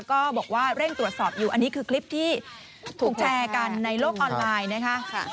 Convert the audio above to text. ก็บอกว่าเร่งตรวจสอบอยู่อันนี้คือคลิปที่ถูกแชร์กันในโลกออนไลน์นะคะ